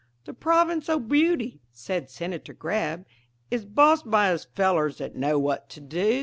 "The province o' Beauty," said Senator Grabb, "Is bossed by us fellers that know what to do.